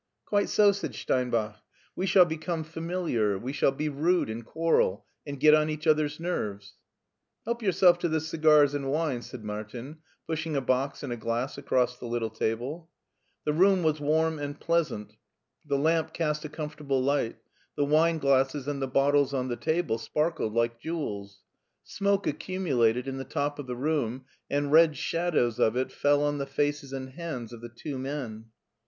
" Quite so,'* said Steinbach ;" we shall become f ami io6 MARTIN SCHt)LER liar, we shall be rude and quarrel and get on each other's nerves/* " Help yourself to the cigars and wine," said Mar tin, pushing a box and a glass across the little table. The room was warm and pleasant, the lamp cast a comfortable light, the wineglasses and the bottles on the table sparkled like jewels. Smoke accumulated in the top of the room, and red shadows of it fell on the faces and hands of the two men.